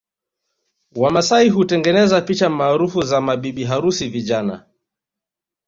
Wamasai hutengeneza picha maarufu za mabibi harusi vijana